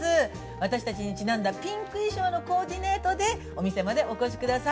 私たちにちなんだ、ピンク衣装のコーディネートで、お店までお越しください。